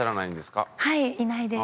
はいいないです。